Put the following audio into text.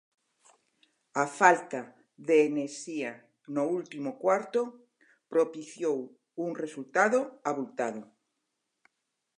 A falta de enerxía no último cuarto propiciou un resultado avultado.